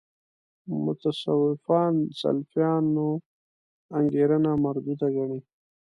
متصوفان سلفیانو انګېرنه مردوده ګڼي.